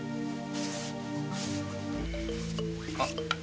あっ。